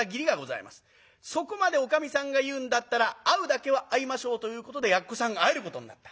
そこまでおかみさんが言うんだったら会うだけは会いましょうということでやっこさん会えることになった。